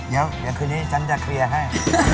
เดี๋ยวคืนนี้ฉันจะเคลียร์ให้